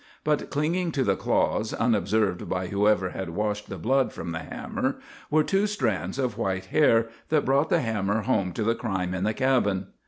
But clinging to the claws, unobserved by whoever had washed the blood from the hammer, were two strands of white hair that brought the hammer home to the crime in the cabin.